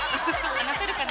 話せるかな？